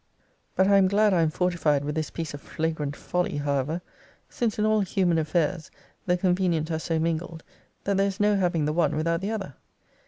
But I am glad I am fortified with this piece of flagrant folly, however; since, in all human affairs, the convenient are so mingled, that there is no having the one without the other.